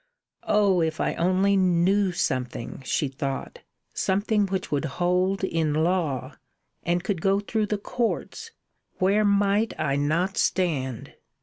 "Oh! if I only knew something," she thought, "something which would hold in law, and could go through the courts, where might I not stand?